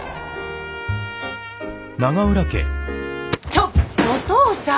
ちょっおとうさん！